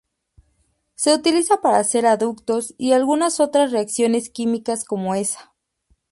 Se utiliza para hacer aductos y algunas otras reacciones químicas como esa.